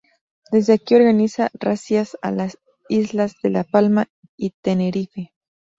Desde aquí organiza razias a las islas de La Palma y Tenerife.